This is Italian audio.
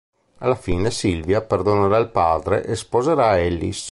Alla fine, Sylvia perdonerà il padre e sposerà Ellis.